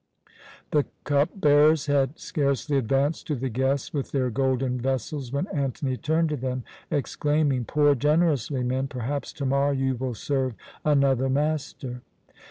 The cup bearers had scarcely advanced to the guests with their golden vessels when Antony turned to them, exclaiming: "Pour generously, men; perhaps to morrow you will serve another master!"